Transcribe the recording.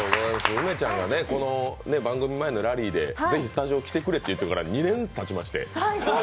梅ちゃんがこの番組前のラリーでぜひスタジオ来てくれって言ってから２年たちまして。